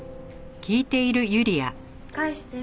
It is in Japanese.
返して。